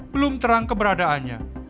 belum terang keberadaannya